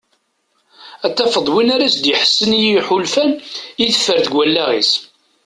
Ad taf d win ara as-d-iḥessen i yiḥulfan i teffer deg wallaɣ-is.